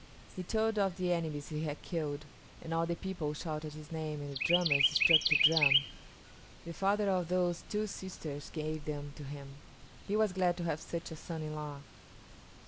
He told of the enemies he had killed, and all the people shouted his name and the drummers struck the drum. The father of those two sisters gave them to him. He was glad to have such a son in law.